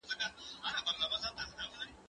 زه بايد کښېناستل وکړم!.